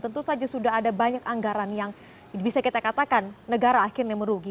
tentu saja sudah ada banyak anggaran yang bisa kita katakan negara akhirnya merugi